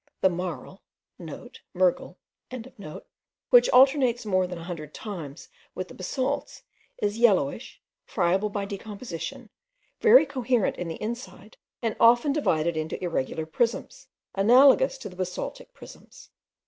The marl,* (* Mergel.) which alternates more than a hundred times with the basalts, is yellowish, friable by decomposition, very coherent in the inside, and often divided into irregular prisms, analogous to the basaltic prisms.